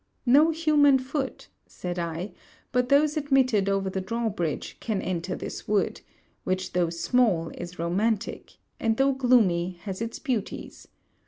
'No human foot,' said I, 'but those admitted over the draw bridge, can enter this wood, which though small is romantic, and though gloomy has its beauties.